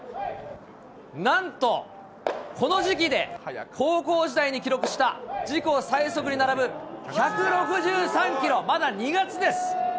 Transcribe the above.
なんと、この時期で高校時代に記録した自己最速に並ぶ１６３キロ、まだ２月です。